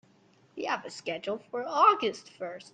We have it scheduled for August first.